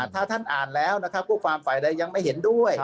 ถ้าท่านอ่านแล้วนะครับผู้ฟาร์มฝ่ายใดยังไม่เห็นด้วย